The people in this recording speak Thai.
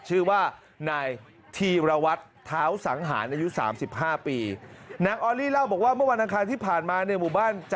ชื่อว่านายธีรวัตรเท้าสังหารอายุ๓๕ปีนางออรี่เล่าบอกว่าเมื่อวันอังคารที่ผ่านมาในหมู่บ้าน